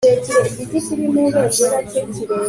hindura urumuri hasi